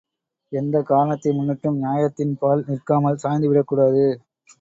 எந்தக் காரணத்தை முன்னிட்டும் நியாயத்தின் பால் நிற்காமல் சாய்ந்துவிடக் கூடாது.